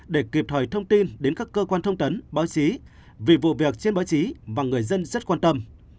để kịp thời thông tin đến các cơ quan thông tấn báo chí vì vụ việc trên báo chí và người dân rất quan tâm